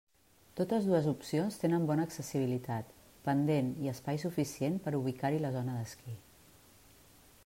Totes dues opcions tenen bona accessibilitat, pendent i espai suficient per ubicar-hi la zona d'esquí.